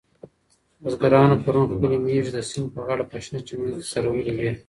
بزګرانو پرون خپلې مېږې د سیند په غاړه په شنه چمن کې څرولې وې.